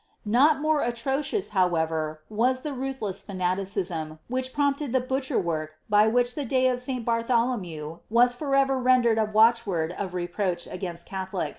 '''' Not more atrocious, however, was the ruthless fanaticism, vi prompted the buicher work by which the day of Si. Bartholomew for ever rendered a watchword of reproach against Catholic.'